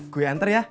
gue antar ya